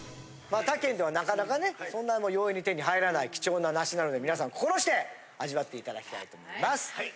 他県ではなかなかねそんな容易に手に入らない貴重な梨なので皆さん心して味わって頂きたいと思います。